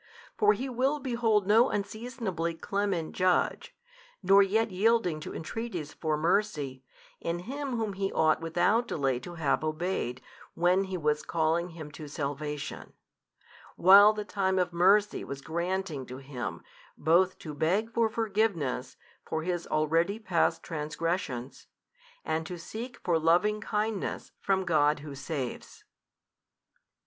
For he will behold no unseasonably clement Judge, nor yet yielding to entreaties for mercy, in Him Whom he ought without delay to have obeyed when He was calling him to salvation, while the time of mercy was granting to him both to beg for forgiveness for his already past transgressions, and to seek for loving kindness from God Who saves.